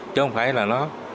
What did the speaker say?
chứ không phải là nó